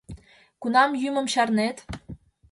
— Кунам йӱмым чарнет?..